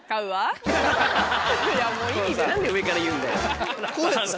何で上から言うんだよ。